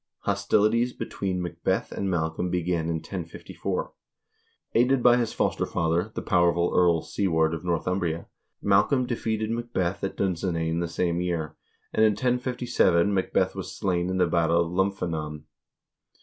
Hostilities between Macbeth and Malcolm began in 1054. Aided by his foster father, the powerful Earl Siward of Northumbria, Malcolm defeated Macbeth at Dunsinane the same year, and in 1057 Macbeth was slain in the battle of Lumphanan.